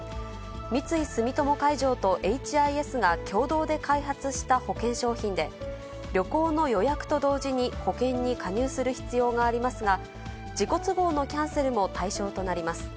三井住友海上とエイチ・アイ・エスが共同で開発した保険商品で、旅行の予約と同時に保険に加入する必要がありますが、自己都合のキャンセルも対象となります。